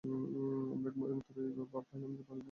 আমরা এই মাত্র এই ভাব পাইলাম যে, ভারতবাসী আমরাও কিছু করিতে পারি।